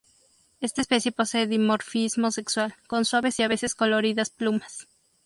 Esta especie posee dimorfismo sexual, con suaves y a veces coloridas plumas.